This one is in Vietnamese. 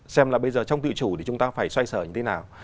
xem là bây giờ trong tự chủ thì chúng ta phải xoay sở như thế nào